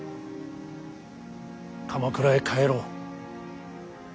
鎌倉へ帰ろう。